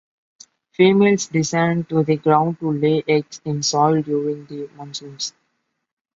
Females descend to the ground to lay eggs in soil during the monsoons.